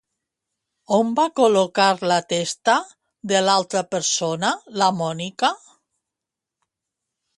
On va col·locar la testa de l'altra persona, la Mònica?